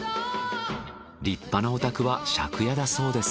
立派なお宅は借家だそうです。